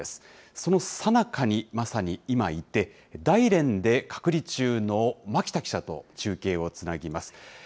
そのさなかにまさに今いて、大連で隔離中の巻田記者と中継をつなぎます。